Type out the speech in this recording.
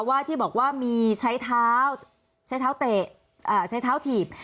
ว่าจะบอกถือว่ามีใช้เท้าเตะใช้เท้าถีบ